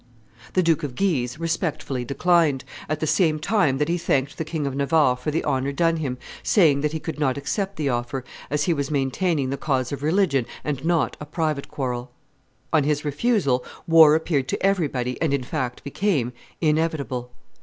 The Duke of Guise respectfully declined, at the same time that he thanked the King of Navarre for the honor done him, saying that he could not accept the offer, as he was maintaining the cause of religion, and not a private quarrel. On his refusal, war appeared to everybody, and in fact became, inevitable.